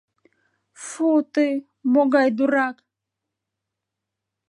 Фу-ты, могай дурак!